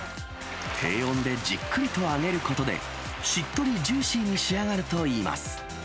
低温でじっくりと揚げることで、しっとりジューシーに仕上がるといいます。